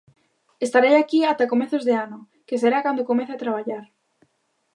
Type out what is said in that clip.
Estarei aquí ata comezos de ano, que será cando comece a traballar.